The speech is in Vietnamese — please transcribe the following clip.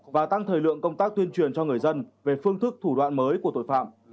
và tăng thời lượng công tác tuyên truyền cho người dân về phương thức thủ đoạn mới của tội phạm